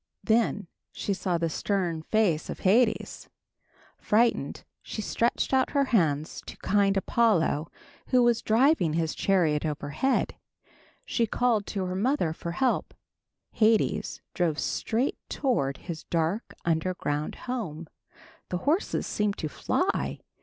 Then she saw the stern face of Hades. Frightened, she stretched out her hands to kind Apollo who was driving his chariot overhead. She called to her mother for help. Hades drove straight toward his dark underground home. The horses seemed to fly.